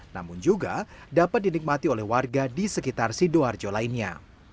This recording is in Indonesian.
namun juga dapat dinikmati oleh warga di sekitar sidoarjo lainnya